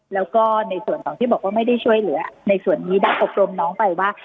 แล้วก็ในส่วนของที่บอกว่าไม่ได้ช่วยเหลือในส่วนนี้ได้อบรมน้องไปว่า